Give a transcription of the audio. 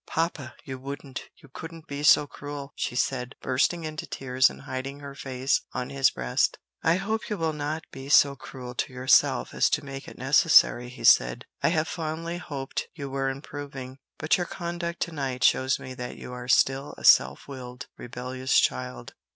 "Papa, you wouldn't, you couldn't be so cruel!" she said, bursting into tears and hiding her face on his breast. "I hope you will not be so cruel to yourself as to make it necessary," he said. "I have fondly hoped you were improving, but your conduct to night shows me that you are still a self willed, rebellious child."